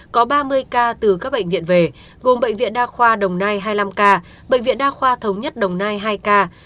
có ba mươi ca từ các bệnh viện về gồm bệnh viện đa khoa đồng nai hai mươi năm ca bệnh viện đa khoa thống nhất đồng nai hai ca